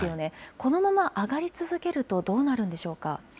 このまま上がり続けると、どうなるんでしょうか。